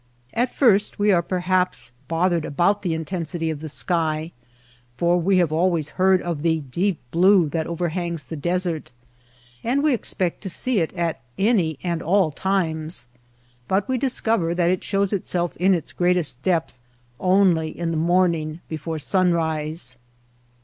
At first we are perhaps bothered about the inten sity of the sky, for we have always heard of the ^Meep blue ^' that overhangs the desert; and we expect to see it at any and all times. But we discover that it shows itself in its greatest depth only in the morning before sunrise.